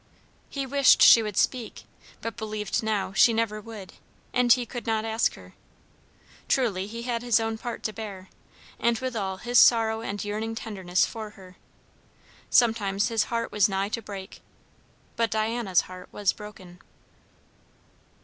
He wished she would speak, but believed now she never would; and he could not ask her. Truly he had his own part to bear; and withal his sorrow and yearning tenderness for her. Sometimes his heart was nigh to break. But Diana's heart was broken.